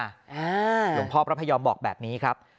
หลวงพ่อพระพยอมบอกแบบนี้ครับ